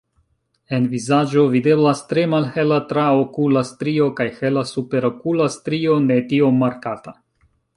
En vizaĝo videblas tre malhela traokula strio kaj hela superokula strio ne tiom markata.